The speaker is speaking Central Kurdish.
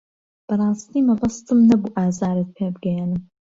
بەڕاستی مەبەستم نەبوو ئازارت پێ بگەیەنم.